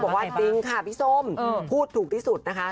บอกว่าจริงค่ะพี่ส้มพูดถูกที่สุดนะคะ